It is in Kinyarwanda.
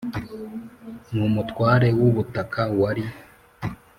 N umutware w ubutaka wari